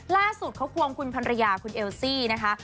ล่าสุดเขาควงคุณภรรยาคุณเอลซี่นะคะ